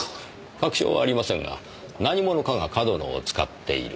確証はありませんが何者かが上遠野を使っている。